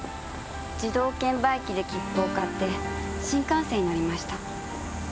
自動券売機で切符を買って新幹線に乗りました。